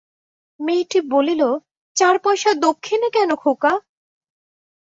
মেয়েটি বলিল, চার পয়সা দক্ষিণে কেন খোকা?